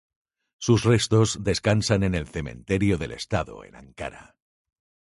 Sus restos descansan en el Cementerio del Estado en Ankara.